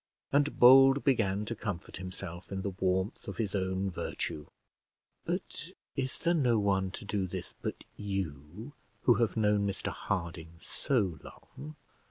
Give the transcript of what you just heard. And Bold began to comfort himself in the warmth of his own virtue. "But is there no one to do this but you, who have known Mr Harding so long?